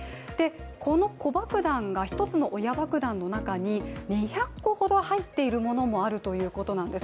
この子爆弾が１つの親爆弾の中に２００個ほど入っているものもあるということなんです。